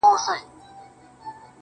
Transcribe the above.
ستا غمونه مي د فكر مېلمانه سي~